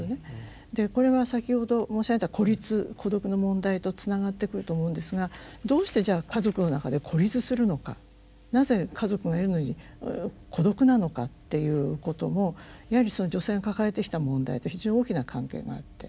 でこれは先ほど申し上げた孤立孤独の問題とつながってくると思うんですがどうしてじゃ家族の中で孤立するのかなぜ家族がいるのに孤独なのかっていうこともやはり女性が抱えてきた問題で非常に大きな関係があって。